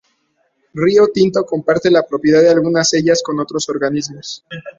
Rio Tinto comparte la propiedad de algunas de ellas con otros organismos.